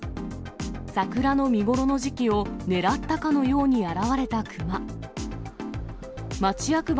桜の見頃の時期を狙ったかのように現れたクマ。